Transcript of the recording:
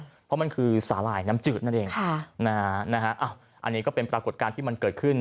เพราะมันคือสาหร่ายน้ำจืดนั่นเองค่ะนะฮะอันนี้ก็เป็นปรากฏการณ์ที่มันเกิดขึ้น